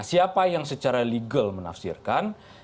siapa yang secara legal menafsirkan